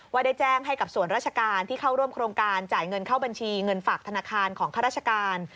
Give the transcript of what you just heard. ได้แจ้งให้กับส่วนราชการที่เข้าร่วมโครงการจ่ายเงินเข้าบัญชีเงินฝากธนาคารของข้าราชการ